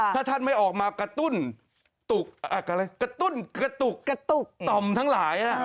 ถ้าท่านไม่ออกมากระตุ้นกระตุกต่อมทั้งหลาย